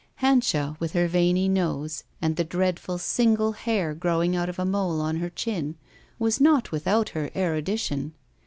Hanscha, with her veiny nose and the dread ful single hair growing out of a mole on her chin, was not without her erudition.